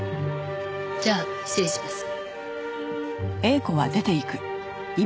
じゃあ失礼します。